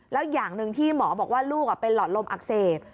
แล้วอย่างหนึ่งที่หมอบอกว่าลูกเป็นหลอดลมอักเสบ